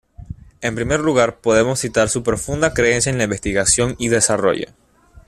En primer lugar podemos citar su profunda creencia en la investigación y desarrollo.